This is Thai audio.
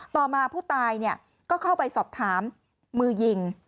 ต่อมาผู้ตายก็เข้าไปสอบถามมือยิง